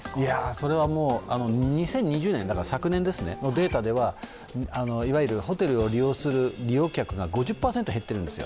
それはもう、２０２０年、昨年のデータではホテルを利用する利用客が５０％減っているんですよ。